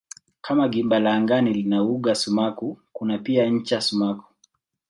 Kama gimba la angani lina uga sumaku kuna pia ncha sumaku.